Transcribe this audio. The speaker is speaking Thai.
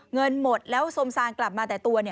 เงินหมดแล้วสมซางกลับมาแต่ตัว